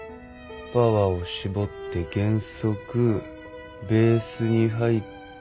パワーを絞って減速ベースに入った。